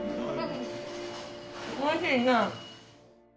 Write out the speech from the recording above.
おいしいね。